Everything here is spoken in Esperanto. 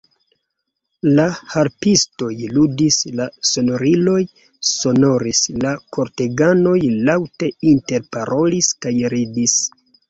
La harpistoj ludis, la sonoriloj sonoris, la korteganoj laŭte interparolis kaj ridis.